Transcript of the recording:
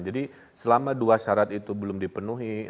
jadi selama dua syarat itu belum dipenuhi